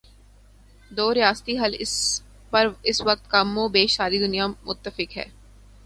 دو ریاستی حل پر اس وقت کم و بیش ساری دنیا متفق ہے۔